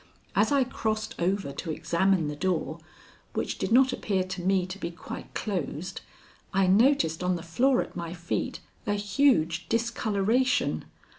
As I crossed over to examine the door, which did not appear to me to be quite closed, I noticed on the floor at my feet a huge discoloration.